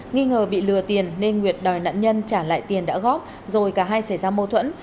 nghi ngờ bị lừa tiền nên nguyệt đòi nạn nhân trả lại tiền đã góp rồi cả hai xảy ra mâu thuẫn